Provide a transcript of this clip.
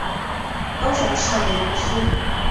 高雄市美浓区